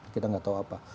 kita nggak tahu apa